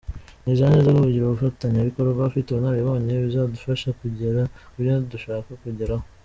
Nizera neza ko kugira umufatanyabikorwa ufite ubunararibonye bizadufasha kugera kubyo dushaka kugeraho.